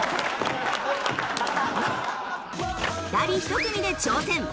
２人１組で挑戦！